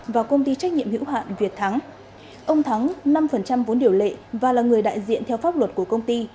và công ty trách nhiệm hữu hạn việt thắng ông thắng năm vốn điều lệ và là người đại diện theo pháp luật của công ty